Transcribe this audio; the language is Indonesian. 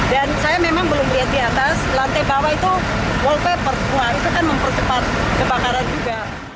dan saya memang belum lihat di atas lantai bawah itu wallpaper semua itu kan mempercepat kebakaran juga